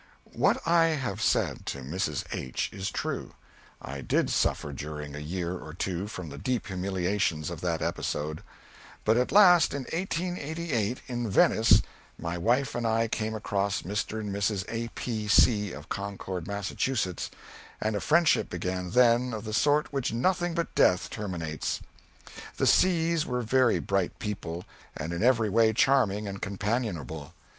What I have said to Mrs. H. is true. I did suffer during a year or two from the deep humiliations of that episode. But at last, in 1888, in Venice, my wife and I came across Mr. and Mrs. A. P. C., of Concord, Massachusetts, and a friendship began then of the sort which nothing but death terminates. The C.'s were very bright people and in every way charming and companionable.